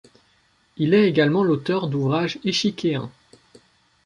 Il est également l'auteur d'ouvrages échiquéens.